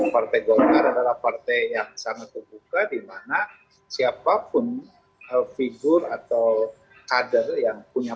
partai golkar adalah partai yang sangat terbuka dimana siapapun figur atau kader yang punya